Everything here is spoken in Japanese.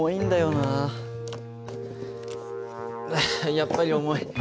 やっぱり重い。